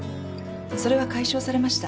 それは解消されました。